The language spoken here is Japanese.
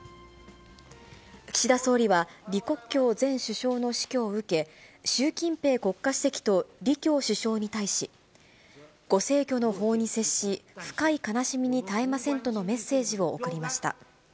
岸田総理は、李克強前首相の死去を受け、習近平国家主席と李強首相に対し、ご逝去の報に接し、深い悲しみにたえませんとのメッセージを送りました。